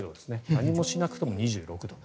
何もしなくても２６度。